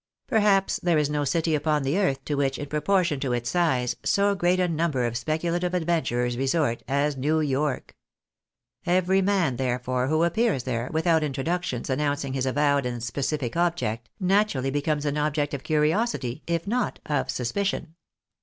Perhaps there is no city upon the earth to which, in proportion to its size, so great a number of speculative adven turers resort, as New York. Every man, therefore, who appears there, without introductions announcing his avowed and specific object, naturally becomes an object of curiosity if not of suspicion.